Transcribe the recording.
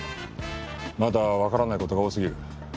まだわからない事が多すぎる。